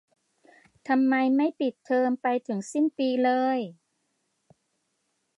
ทำไมไม่ปิดเทอมไปถึงสิ้นปีเลย